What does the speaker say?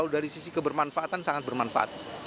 kalau dari sisi kebermanfaatan sangat bermanfaat